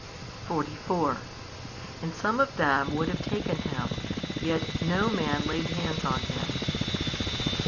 44 And some of them would have taken Him, yet no man laid hands on Him.